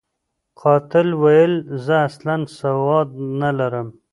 قاتل ویل، زه اصلاً سواد نلرم.